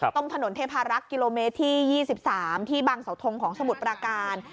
ตรงถนนเทพารักษ์กิโลเมตรที่๒๓ที่บางเสาทงของสมุทรปราการ